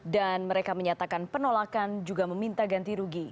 dan mereka menyatakan penolakan juga meminta ganti rugi